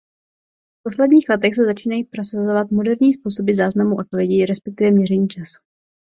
V posledních letech se začínají prosazovat moderní způsoby záznamu odpovědí resp. měření času.